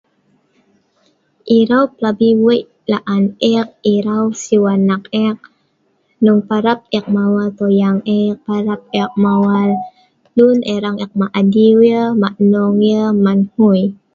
Irau pelabi wei laan ek, irau siu anak ek, hnong parab ek mawar tuyang ek, parab ek mawar lun ereng ek mak adiu ngan mak nong man hngui